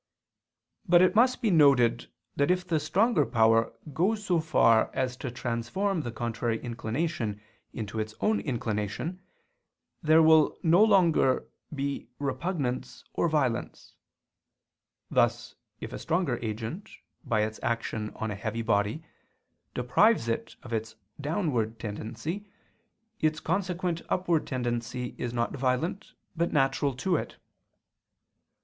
But it must be noted that if the stronger power goes so far as to transform the contrary inclination into its own inclination there will be no longer repugnance or violence: thus if a stronger agent, by its action on a heavy body, deprives it of its downward tendency, its consequent upward tendency is not violent but natural to it.